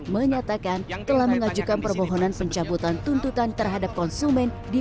menyatakan telah mengajukan permohonan pencabutan tuntutan terhadap konsumen di